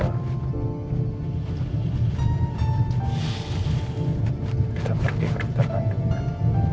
kita pergi ke kandungan